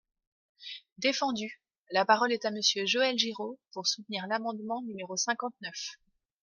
Défendu ! La parole est à Monsieur Joël Giraud, pour soutenir l’amendement numéro cinquante-neuf.